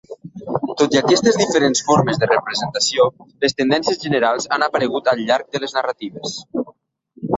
Tot i aquestes diferents formes de representació, les tendències generals han aparegut al llarg de les narratives.